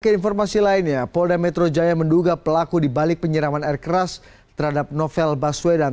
keinformasi lainnya polda metro jaya menduga pelaku dibalik penyiraman air keras terhadap novel baswedan